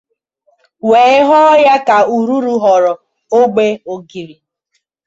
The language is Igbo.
wee họọ ya aka ururu họrọ ogbe ògìrì